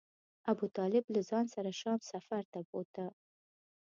ابو طالب له ځان سره شام سفر ته بوته.